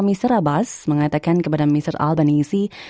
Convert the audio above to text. mr abbas mengatakan kepada mr albanese